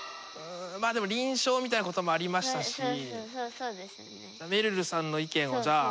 まあでも輪唱みたいなこともありましたしめるるさんの意見をじゃあ。